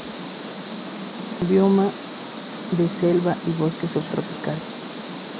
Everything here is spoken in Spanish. Con bioma de selva y bosque subtropical